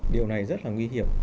điều này rất là nguy hiểm